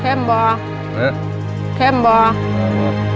แข็มบ่าแข็มบ่า